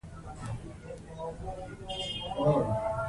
سیاسي جوړښت د قانون تابع دی